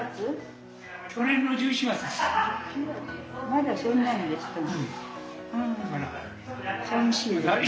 まだそんなにですかね。